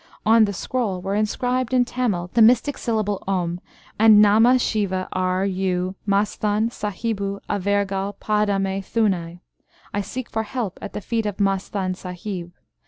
On the scroll were inscribed in Tamil the mystic syllable, "Om," and "Nama Siva R. U. Masthan Sahibu avergal padame thunai" (I seek for help at the feet of Masthan sahib).